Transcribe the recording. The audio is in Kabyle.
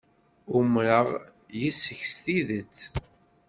Umreɣ yes-k s tidet.